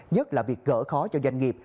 nhất là việc gỡ khó cho doanh nghiệp